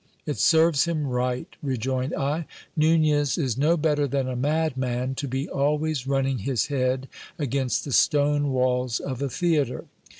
It serves him right, rejoined I. Nunez is no better than a madman, to be always running his head against the stone walls of a theatre.